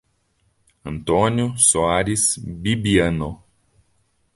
Antônio Soares Bibiano